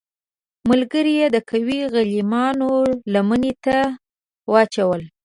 ملګري یې د قوي غلیمانو لمنې ته واچول.